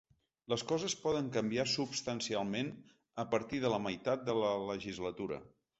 Les coses poden canviar substancialment a partir de la meitat de la legislatura.